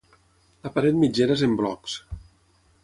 La paret mitgera és en blocs.